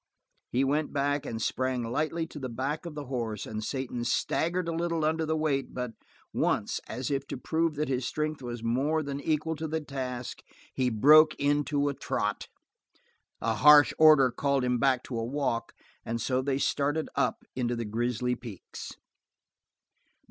He went back and sprang lightly to the back of the horse and Satan staggered a little under the weight but once, as if to prove that his strength was more than equal to the task, he broke into a trot. A harsh order called him back to a walk, and so they started up into the Grizzly Peaks.